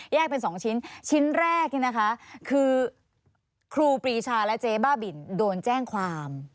เป็น๒ชิ้นชิ้นแรกเนี่ยนะคะคือครูปรีชาและเจ๊บ้าบินโดนแจ้งความ